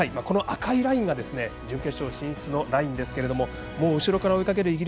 この赤いラインが準決勝進出のラインですけどももう後ろから追いかける